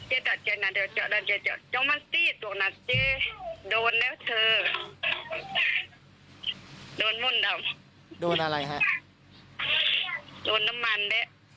ผมโดนน้ำมันผมยังไม่โดนเลยนะแม่